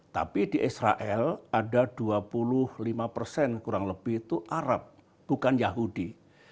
tapi di israel ada dua puluh lima persen kurang lebih itu arab bukan yahudi